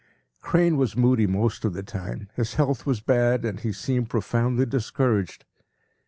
p> Crane was moody most of the time, his health was bad and he seemed profoundly discouraged.